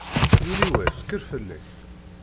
Yuli wass, kker fell-ak!